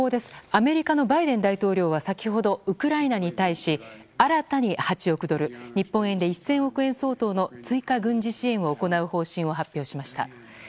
アメリカのバイデン大統領は先ほどウクライナに対し新たに８億ドル日本円で１０００億相当の追加軍事支援を行う方針を発表しました。